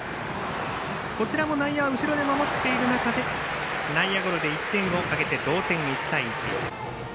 こちらも内野は後ろで守っている中で内野ゴロで１点を破って同点１対１。